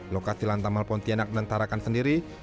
lokasi lantamal pontianak dan tarakan sendiri